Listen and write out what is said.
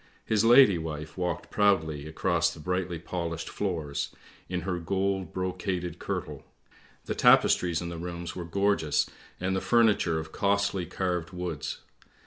" His lady wife walked proudly across the brightly polished floors, in her gold brocaded kirtle; the tapestries in the rooms were gorgeous, and the furniture of costly carved woods.